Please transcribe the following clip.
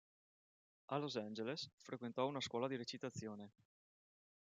A Los Angeles, frequentò una scuola di recitazione.